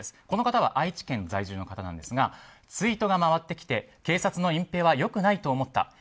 この方は愛知県在住の方ですがツイートが回ってきて警察の隠ぺいはよくないと思った。